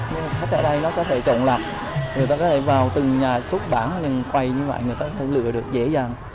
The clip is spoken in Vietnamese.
nhưng mà khách ở đây nó có thể trộn lập người ta có thể vào từng nhà xuất bản quay như vậy người ta có thể lựa được dễ dàng